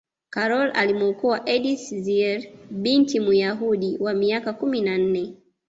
karol alimuokoa edith zierer binti muyahudi wa miaka kumi na nne